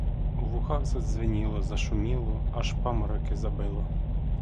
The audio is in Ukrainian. У вухах задзвеніло, зашуміло, аж памороки забило.